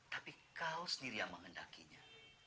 tapi kau sendiri yang menghendakinya